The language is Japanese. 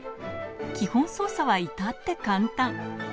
基本操作はいたって簡単。